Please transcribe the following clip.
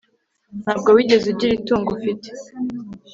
Ntabwo wigeze ugira itungo ufite